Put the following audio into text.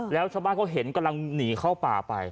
แล้วชาวบ้านเขาเห็นกำลังหนีเข้าป่าไป